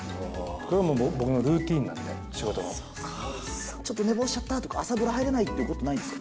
これが僕のルーティンなので、ちょっと寝坊しちゃったとか、朝風呂入れないっていうことないんですか？